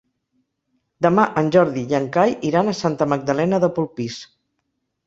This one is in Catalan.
Demà en Jordi i en Cai iran a Santa Magdalena de Polpís.